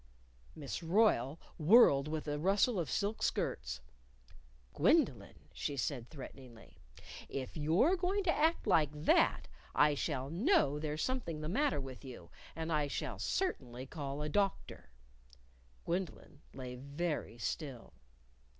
Miss Royle whirled with a rustle of silk skirts. "Gwendolyn," she said threateningly, "if you're going to act like that, I shall know there's something the matter with you, and I shall certainly call a doctor." Gwendolyn lay very still.